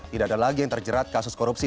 tidak ada lagi yang terjerat kasus korupsi